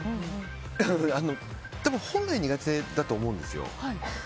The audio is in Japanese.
多分本来は苦手だと思うんですよ。